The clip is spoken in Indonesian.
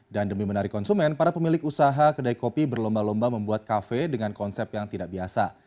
dan demi menarik konsumen para pemilik usaha kedai kopi berlomba lomba membuat kafe dengan konsep yang tidak biasa